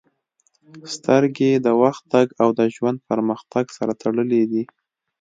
• سترګې د وخت تګ او د ژوند پرمختګ سره تړلې دي.